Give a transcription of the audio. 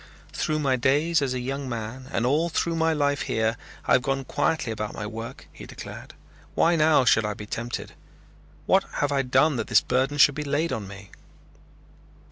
"Through my days as a young man and all through my life here I have gone quietly about my work," he declared. "Why now should I be tempted? What have I done that this burden should be laid on me?"